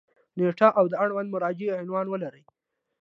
نیټه او د اړونده مرجع عنوان ولري.